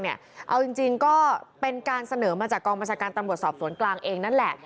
เอาจริงก็เป็นการเสนอมาจากกองบัญชาการตำรวจสอบสวนกลางเองนั่นแหละ